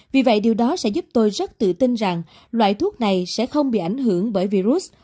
vì vậy điều đó sẽ giúp tôi rất tự tin rằng loại thuốc này sẽ không bị ảnh hưởng bởi virus